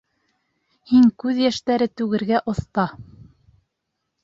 Һин күҙ йәштәре түгергә оҫта...